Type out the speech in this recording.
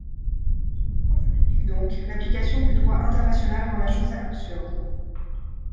Sur le plan juridique, donc, l’application du droit international rend la chose absurde.